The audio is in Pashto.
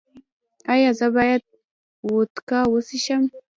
ایا زه باید وودکا وڅښم؟